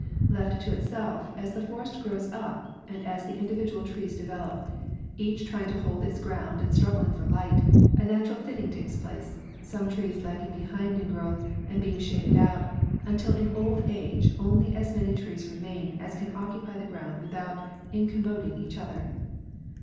Left to itself, as the forest grows up and as the individual trees develop, each trying to hold its ground and struggling for light, a natural thinning takes place, some trees lagging behind in growth and being shaded out, until in old age only as many trees remain as can occupy the ground without incommoding each other.